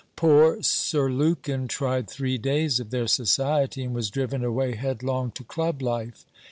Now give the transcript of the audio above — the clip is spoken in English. Poor Sir Lukin tried three days of their society, and was driven away headlong to Club life.